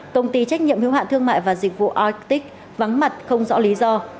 công ty trách nhiệm hiếu hạn thương mại và dịch vụ oic vắng mặt không rõ lý do